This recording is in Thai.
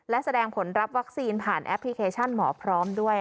และแสดงผลรับวัคซีนผ่านแอปพลิเคชันหมอพร้อมด้วย